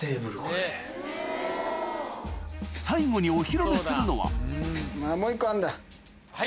最後にお披露目するのははい。